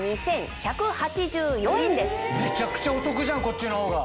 めちゃくちゃお得じゃんこっちのほうが。